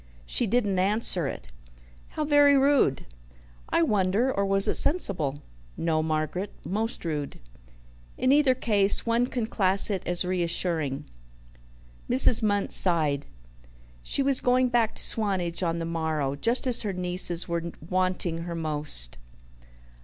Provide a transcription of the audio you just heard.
She didn't answer it." "How very rude!" "I wonder. Or was it sensible?" "No, Margaret, most rude." "In either case one can class it as reassuring." Mrs. Munt sighed. She was going back to Swanage on the morrow, just as her nieces were wanting her most.